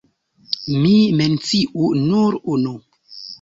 Mi menciu nur unu.